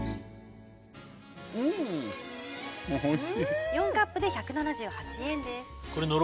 うん４カップで１７８円です